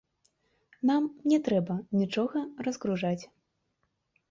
Нам не трэба нічога разгружаць.